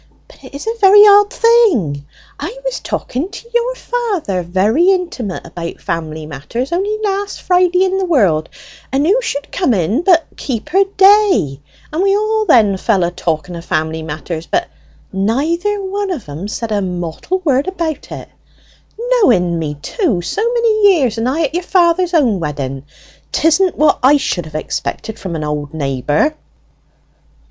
But it is a very odd thing; I was talking to your father very intimate about family matters only last Friday in the world, and who should come in but Keeper Day, and we all then fell a talking o' family matters; but neither one o' them said a mortal word about it; knowen me too so many years, and I at your father's own wedding. 'Tisn't what I should have expected from an old neighbour!"